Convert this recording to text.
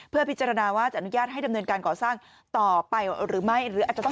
เพื่อพิจารณาว่าจะอนุญาตให้ดำเนินการก่อสร้างต่อไปหรือไม่